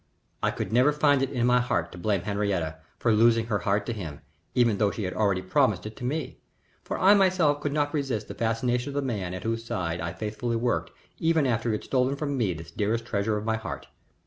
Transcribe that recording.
I never could find it in my heart to blame Henriette for losing her heart to him, even though she had already promised it to me, for I myself could not resist the fascination of the man at whose side I faithfully worked even after he had stolen from me this dearest treasure of my heart.